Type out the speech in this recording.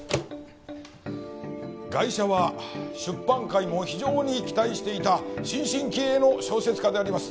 ガイシャは出版界も非常に期待していた新進気鋭の小説家であります。